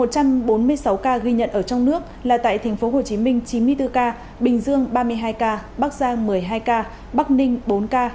một trăm bốn mươi sáu ca ghi nhận ở trong nước là tại tp hcm chín mươi bốn ca bình dương ba mươi hai ca bắc giang một mươi hai ca bắc ninh bốn ca